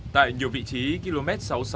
tại nhiều vị trí km sáu mươi sáu năm mươi